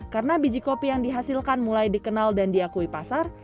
karena biji kopi yang dihasilkan mulai dikenal dan diakui pasar